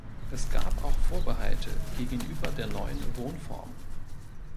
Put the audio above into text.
Es gab auch Vorbehalte gegenüber der neuen Wohnform.